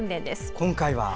今回は？